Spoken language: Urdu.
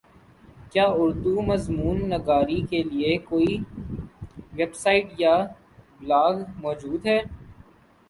کیا اردو مضمون نگاری کیلئے کوئ ویبسائٹ یا بلاگ موجود ہے